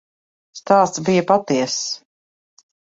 Stāsts bija patiess.